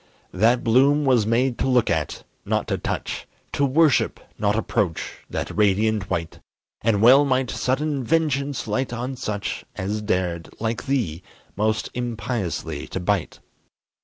That bloom was made to look at, not to touch; To worship, not approach, that radiant white; And well might sudden vengeance light on such As dared, like thee, most impiously to bite.